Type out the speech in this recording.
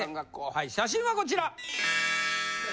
はい写真はこちら！